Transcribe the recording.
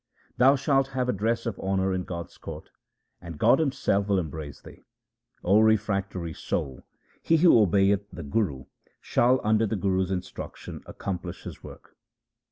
Thou shalt have a dress of honour in God's court, and God Himself will embrace thee — O refractory soul, he who obeyeth the Guru shall under the Guru's instruction accomplish his work.